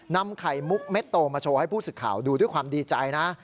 นำไข่มุกเม็ดโตมาโชว์ให้ผู้สื่อข่าวดูด้วยความดีใจนะ